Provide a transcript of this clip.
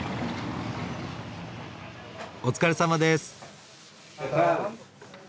お疲れさまです。